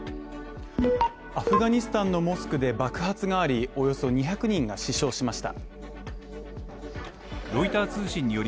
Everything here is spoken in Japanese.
アフガニスタンのモスクで爆発があり、およそ２００人が死傷しました。